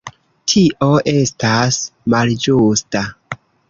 Tio estas malĝusta.